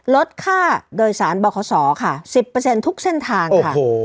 ลดค่าโดยสารบขค่ะ๑๐ทุกเส้นทางค่ะ